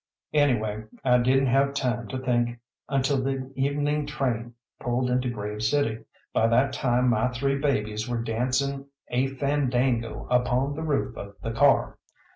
Anyway, I didn't have time to think until the evening train pulled into Grave City. By that time my three babies were dancing a fandango upon the roof of the car.